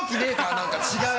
何か違う。